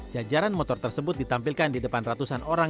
jajaran motor tersebut ditampilkan di depan ratusan orang